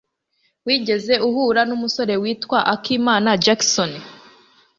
Wigeze uhura numusore witwa akimana Jackson?